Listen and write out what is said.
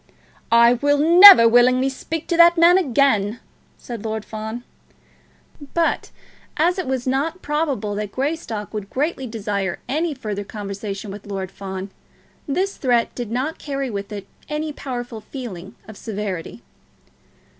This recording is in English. "I will never willingly speak to that man again," said Lord Fawn. But as it was not probable that Greystock would greatly desire any further conversation with Lord Fawn, this threat did not carry with it any powerful feeling of severity.